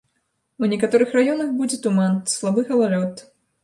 У некаторых раёнах будзе туман, слабы галалёд.